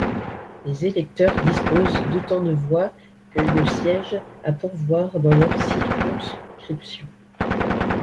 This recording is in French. Les électeurs disposent d'autant de voix que de sièges à pourvoir dans leur circonscription.